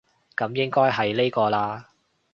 噉應該係呢個喇